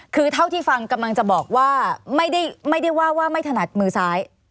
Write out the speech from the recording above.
คือเท่าที่ฟังกำลังจะบอกว่าไม่ได้ว่าว่าไม่ถนัดมือซ้าย